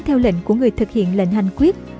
theo lệnh của người thực hiện lệnh hành quyết